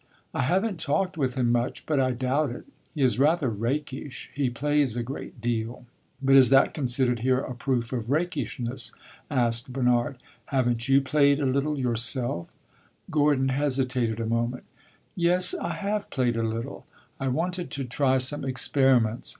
"I have n't talked with him much, but I doubt it. He is rather rakish; he plays a great deal." "But is that considered here a proof of rakishness?" asked Bernard. "Have n't you played a little yourself?" Gordon hesitated a moment. "Yes, I have played a little. I wanted to try some experiments.